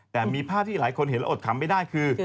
แต่มีภาพที่หลายคนเห็นแล้วอดคำไม่ได้คือ